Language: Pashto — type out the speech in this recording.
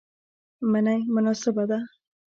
منی مناسبه ده